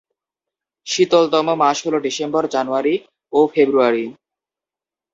শীতলতম মাস হল ডিসেম্বর, জানুয়ারি ও ফেব্রুয়ারি।